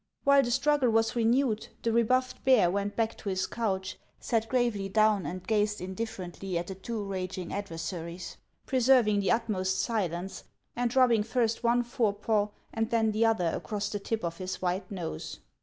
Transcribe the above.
While the struggle was renewed, the rebuffed bear went back to his couch, sat gravely down, and gazed indiffer ently at the two raging adversaries, preserving the utmost silence, and rubbing first one fore paw and then the other across the tip of his white nose.